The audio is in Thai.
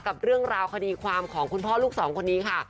กับเรื่องราวคดีความของคุณพ่อลูกสองคนนี้ค่ะ